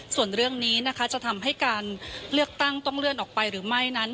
ส่วนเรื่องนี้นะคะจะทำให้การเลือกตั้งต้องเลื่อนออกไปหรือไม่นั้น